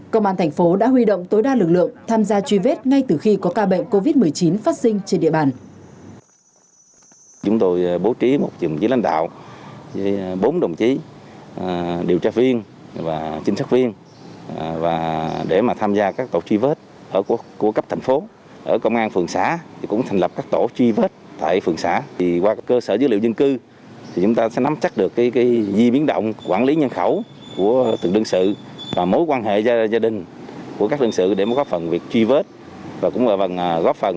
công an thành phố đã huy động tối đa lực lượng tham gia truy vết ngay từ khi có ca bệnh covid một mươi chín phát sinh trên địa bàn